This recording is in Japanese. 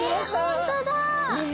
本当だ！